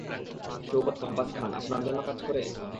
শওকত আব্বাস খাঁন, আপনার জন্য কাজ করে?